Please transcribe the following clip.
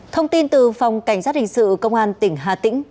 thông tin từ phòng cảnh sát hình sự công an tỉnh hà tĩnh